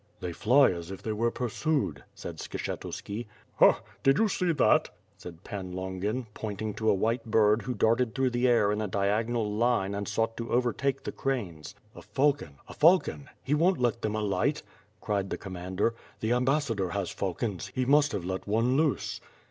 "They fly as if they were pursued," said Skshetuski. "Ha! Did you see that?" said Pan Longin, pointing to a white bird who darted through the air in a diagonal line and sought to overtake the cranes. "A falcon! a falcon! lie won't let them alight," cried the commander. "The ambassador has falcons. He must have let one loose!"